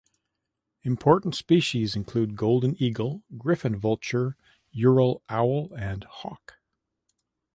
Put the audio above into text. Important species include golden eagle, griffon vulture, Ural owl and hawk.